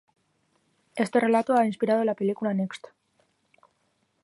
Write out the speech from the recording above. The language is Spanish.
Este relato ha inspirado la película "Next".